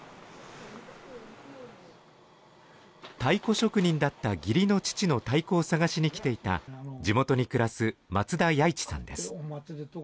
太鼓職人だった義理の父の太鼓を捜しに来ていた地元に暮らす松田弥一さんです。